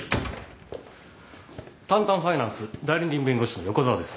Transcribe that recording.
タンタンファイナンス代理人弁護士の横沢です。